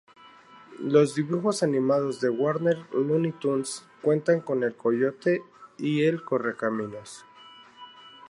Los dibujos animados de Warner, Looney Tunes, cuentan con El Coyote y el Correcaminos.